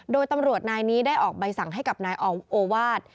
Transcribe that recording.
โดยตำรวจนายนี้ได้ออกใบสั่งให้กับนายโอวาส